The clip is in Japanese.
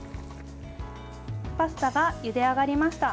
パスタがゆで上がりました。